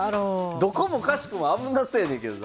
どこもかしこも危なそうやねんけどな。